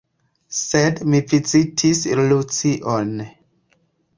Sed mi vizitis Lucion.